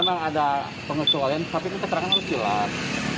memang ada pengecualian tapi keterangan harus jelas